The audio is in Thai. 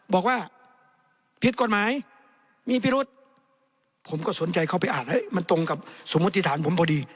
บอกว่าผิดกฎหมายมีพิรุษผมก็สนใจเข้าไปอ่านเฮ้ยมันตรงกับสมมุติฐานผมพอดี